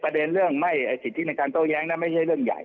กระเด็นเรื่องไม่รีบสิทธิการเต้าแย้งน่ะไม่ใช่เรื่องใหญ่